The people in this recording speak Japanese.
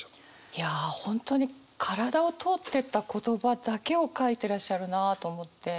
いや本当に体を通っていった言葉だけを書いてらっしゃるなと思って。